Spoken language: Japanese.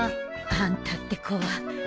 あんたって子は。